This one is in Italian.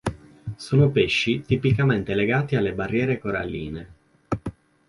Sono pesci tipicamente legati alle barriere coralline.